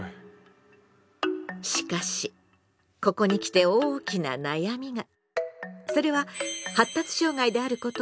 しかしここにきて大きな悩みが。